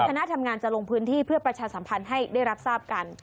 คณะทำงานจะลงพื้นที่เพื่อประชาสัมพันธ์ให้ได้รับทราบกัน